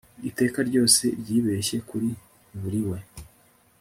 iteka ryose ryibeshye kuri buriwe